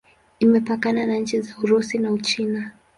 Imepakana na nchi za Urusi na Uchina.